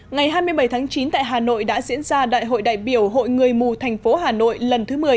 ngày hai mươi bảy tháng chín tại hà nội đã diễn ra đại hội đại biểu hội người mù thành phố hà nội lần thứ một mươi